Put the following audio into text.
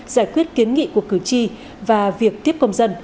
giải quyết kiến nghị của cử tri và việc tiếp công dân